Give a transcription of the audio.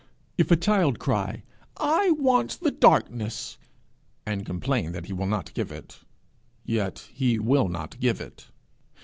If a child cry, 'I want the darkness,' and complain that he will not give it, yet he will not give it.